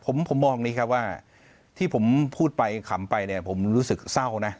ผมมองอย่างนี้ครับว่าที่ผมพูดไปขำไปเนี่ยผมรู้สึกเศร้านะ